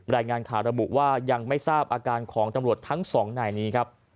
รายงานข่าวระบุว่ายังไม่ทราบอาการของตำรวจทั้งสองนายนี้ครับ